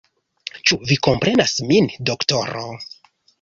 Ĉu vi komprenas min, doktoro?